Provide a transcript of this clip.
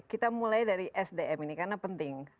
kita mulai dari sdm ini karena penting